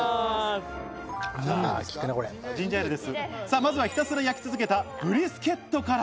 まずはひたすら焼き続けたブリスケットから。